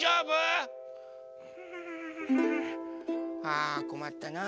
あこまったな。